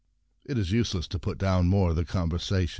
It is useless to put down more of the conversation.